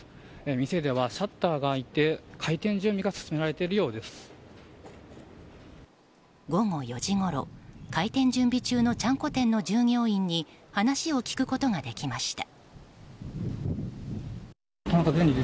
店ではシャッターが開いて開店準備が午後４時ごろ開店準備中のちゃんこ店の従業員に話を聞くことができました。